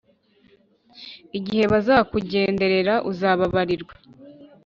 igihe bazakugenderera, uzababarirwa.